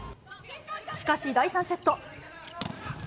しかし、第３セット。